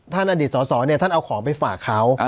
ท่านอดีตสอสอเนี่ยท่านเอาของไปฝากเขา